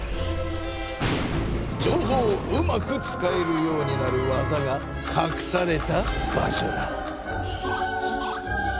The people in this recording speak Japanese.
情報をうまく使えるようになる技がかくされた場所だ。